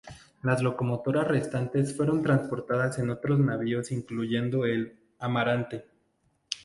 Las locomotoras restantes fueron transportadas en otros navíos, incluyendo el "Amarante".